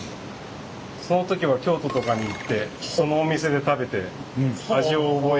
その時は京都とかに行ってそのお店で食べて味を覚えて。